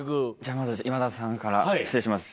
まず今田さんから失礼します。